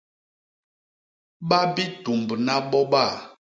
Ba bitumbna boba.